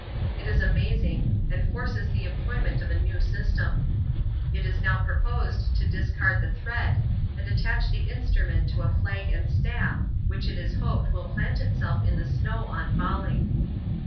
It is amazing, and forces the employment of a new system. It is now proposed to discard the thread and attach the instrument to a flag and staff, which it is hoped will plant itself in the snow on falling.